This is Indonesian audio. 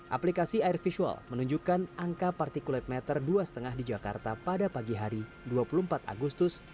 aplikasi air visual menunjukkan angka particulate matter dua lima di jakarta pada pagi hari dua puluh empat agustus